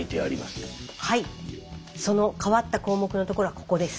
はいその変わった項目のところはここです。